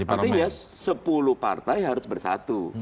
artinya sepuluh partai harus bersatu